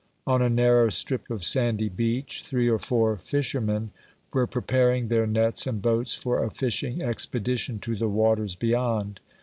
On a narrow strip of sandy beach three or four fishermen were preparing their nets and boats for a fishing expedition to the waters beyond.